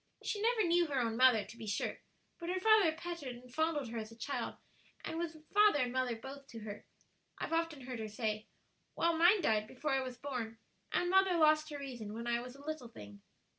She never knew her own mother, to be sure, but her father petted and fondled her as a child, and was father and mother both to her, I've often heard her say; while mine died before I was born, and mother lost her reason when I was a little thing."